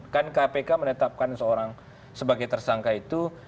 kan kpk menetapkan seorang sebagai tersangka itu